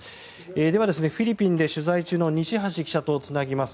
では、フィリピンで取材中の西橋記者とつなぎます。